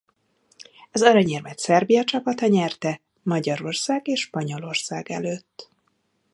Az aranyérmet Szerbia csapata nyerte Magyarország és Spanyolország előtt.